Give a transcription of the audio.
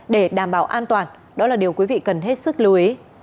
để đảm bảo an toàn đó là điều quý vị cần hết sức lưu ý